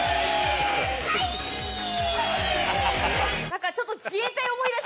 何かちょっと。